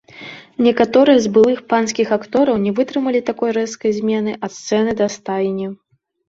Некаторыя з былых панскіх актораў не вытрымалі такой рэзкай змены ад сцэны да стайні.